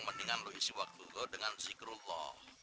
mendingan lo isi waktu lo dengan sikrul lo